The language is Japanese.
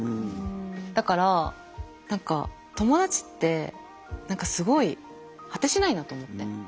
だから何か友達って何かすごい果てしないなと思って。